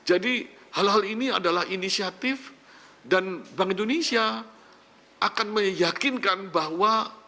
jadi hal hal ini adalah inisiatif dan bank indonesia akan meyakinkan bahwa